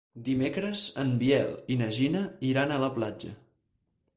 Dimecres en Biel i na Gina iran a la platja.